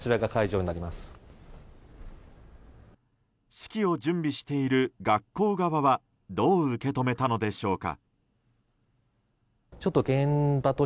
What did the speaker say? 式を準備している学校側はどう受け止めたのでしょうか。